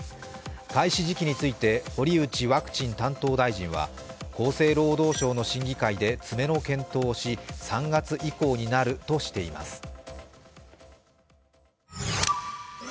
開始時期について堀内ワクチン担当大臣は厚生労働省の審議会で詰めの検討をし、３月以降になるとしています。